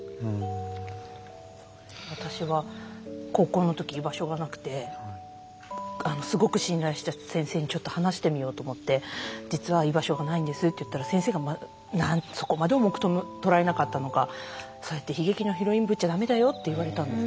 私は高校の時居場所がなくてすごく信頼してた先生にちょっと話してみようと思って実は居場所がないんですって言ったら先生がそこまで重く捉えなかったのかそうやって悲劇のヒロインぶっちゃだめだよって言われたんです。